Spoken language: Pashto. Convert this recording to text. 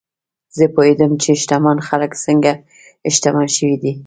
زه پوهېدم چې شتمن خلک څنګه شتمن شوي دي.